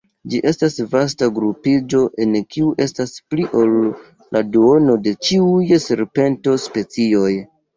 Ĝi estas vasta grupiĝo en kiu estas pli ol la duono de ĉiuj serpento-specioj.